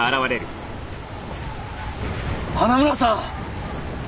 花村さん